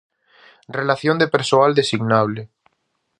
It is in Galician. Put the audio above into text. Relación de persoal designable.